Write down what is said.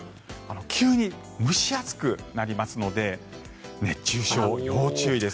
急に蒸し暑くなりますので熱中症、要注意です。